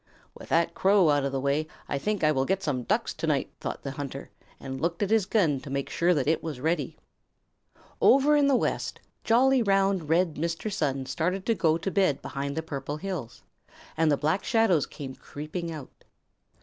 "With that Crow out of the way, I think I will get some Ducks to night," thought the hunter and looked at his gun to make sure that it was ready. Over in the West, jolly, round, red Mr. Sun started to go to bed behind the Purple Hills, and the Black Shadows came creeping out.